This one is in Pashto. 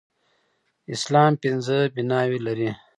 اسلام پنځه بناوې لري.